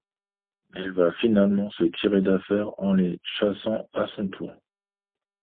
Elle va finalement se tirer d'affaires en les chassant à son tour.